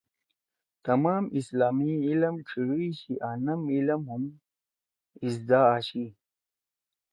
تمام اسلامی علم ڇھیِڙی شی آں نم علم ہُم اِزدا آشی